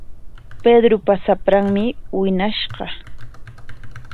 Pedropa shapranmi wiñashqa.